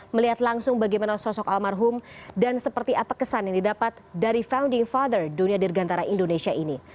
melihat langsung bagaimana sosok almarhum dan seperti apa kesan yang didapat dari founding father dunia dirgantara indonesia ini